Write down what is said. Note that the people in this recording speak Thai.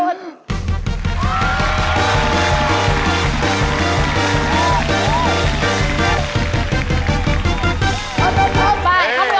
ไปเข้าไปอมอมกินให้ให้เลยค่ะ